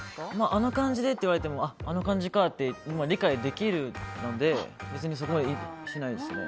あの感じでって言われてもあの感じでと理解できるので別にそこはしないですね。